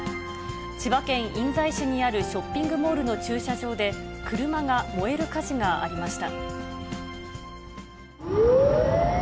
千葉県印西市にあるショッピングモールの駐車場で、車が燃える火事がありました。